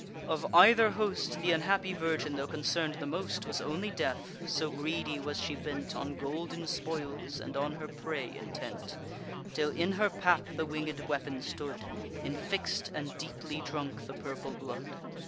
Of either host, Th' unhappy virgin, tho' concern'd the most, Was only deaf; so greedy was she bent On golden spoils, and on her prey intent; Till in her pap the winged weapon stood Infix'd, and deeply drunk the purple blood.